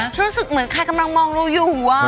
รู้สึกเหมือนใครกำลังมองเราอยู่